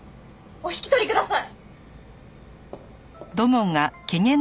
お引き取りください！